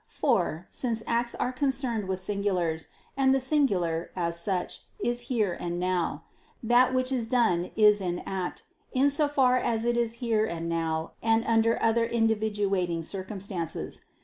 For, since acts are concerned with singulars; and the singular, as such, is here and now; that which is done is in act, in so far as it is here and now and under other individuating circumstances.